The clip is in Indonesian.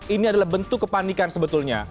ini adalah bentuk kepanikan sebetulnya